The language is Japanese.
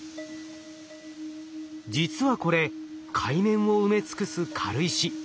実はこれ海面を埋め尽くす軽石。